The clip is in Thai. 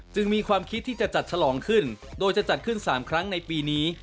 มีความคิดที่จะจัดฉลองขึ้นโดยจะจัดขึ้น๓ครั้งในปีนี้